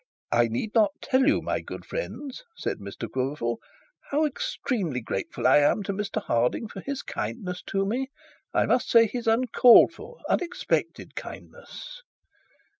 'I need not tell you, my good friends,' said Mr Quiverful, 'how extremely grateful I am to Mr Harding for his kindness to me, I must say his uncalled for, his unexpected kindness.'